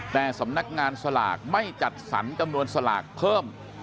แต่สำนักงานสลากไม่จัดสรรจำนวนสลากเพิ่ม